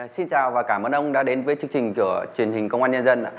xin chào và cảm ơn ông đã đến với chương trình của truyền hình công an nhân dân ạ